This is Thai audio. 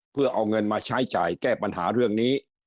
เพื่อเอาเงินมาใช้จ่ายแก้ปัญหาเรื่องนี้